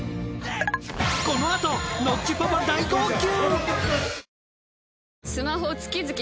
このあとノッチパパ大号泣！